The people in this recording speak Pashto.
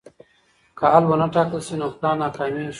که حل ونه ټاکل شي نو پلان ناکامېږي.